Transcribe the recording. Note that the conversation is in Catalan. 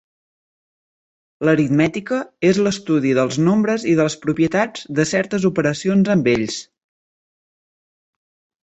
L'aritmètica és l'estudi dels nombres i de les propietats de certes operacions amb ells.